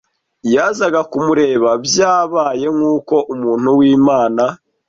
yazaga kumureba Byabaye nk uko umuntu w Imana